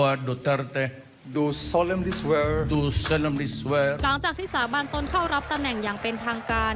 หลังจากที่สาบานตนเข้ารับตำแหน่งอย่างเป็นทางการ